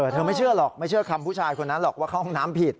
ไม่เชื่อหรอกไม่เชื่อคำผู้ชายคนนั้นหรอกว่าเข้าห้องน้ำผิด